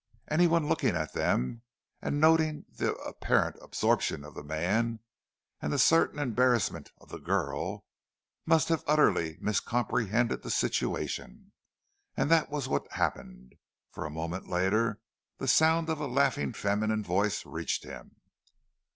Any one looking at them, and noting the apparent absorption of the man and the certain embarrassment of the girl, must have utterly miscomprehended the situation, and that was what happened, for a moment later, the sound of a laughing feminine voice reached him.